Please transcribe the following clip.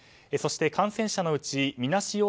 そして感染者のうちみなし